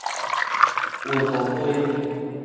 雲和街